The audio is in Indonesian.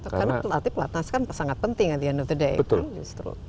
karena latih platnas kan sangat penting di under the egg